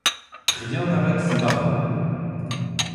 Rien n'arrête Sbarro.